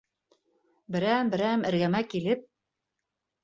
Берәм-берәм эргәмә килеп: